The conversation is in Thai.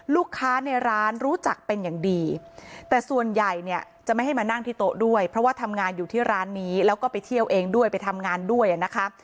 ลูกค้าในร้านรู้จักเป็นอย่างดีแต่ส่วนใหญ่เนี่ยจะไม่ให้มานั่งที่โต๊ะด้วยเพราะว่าทำงานอยู่ที่ร้านนี้แล้วก็ไปเที่ยวเองด้วยไปทำงานด้วยนะคะ